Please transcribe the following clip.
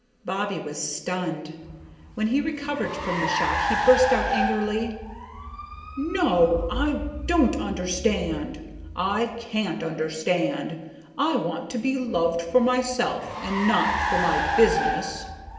Bobbie was stunned. When he recovered from the shock he burst out angrily: "No, I don't understand. I can't understand. I want to be loved for myself, and not for my business."